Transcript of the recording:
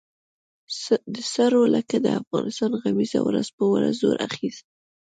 د سړو لکه د افغانستان غمیزه ورځ په ورځ زور اخیست.